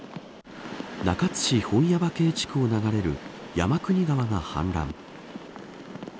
中津市本耶馬渓地区に流れる山国川が氾濫。